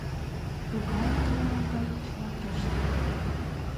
— Могайым налам гын, чыла тыште.